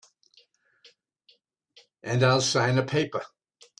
And I'll sign a paper.